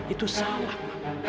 itu salah mama